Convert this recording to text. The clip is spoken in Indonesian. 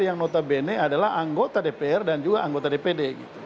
yang notabene adalah anggota dpr dan juga anggota dpd